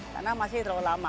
karena masih terlalu lama